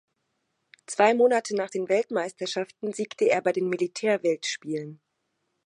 Zwei Monate nach den Weltmeisterschaften siegte er bei den Militärweltspielen.